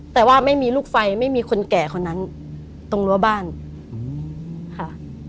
แต่ว่าไม่มีลูกไฟไม่มีคนแก่คนนั้นตรงรั้วบ้านค่ะ